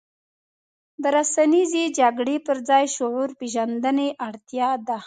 د رسنیزې جګړې پر ځای شعور پېژندنې اړتیا ده.